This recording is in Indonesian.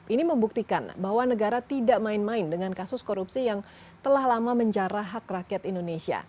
ini membuktikan bahwa negara tidak main main dengan kasus korupsi yang telah lama menjarah hak rakyat indonesia